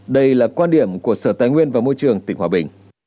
đây là quan điểm của sở tài nguyên và môi trường tỉnh hòa bình